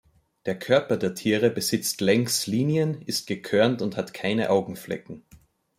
Der Körper der Tiere besitzt längs Linien, ist gekörnt und hat keine Augenflecken.